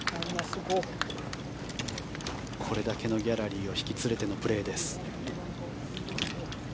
これだけのギャラリーを引き連れてのプレーです。